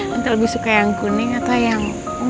nanti lebih suka yang kuning atau yang